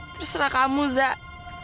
terserah kamu zat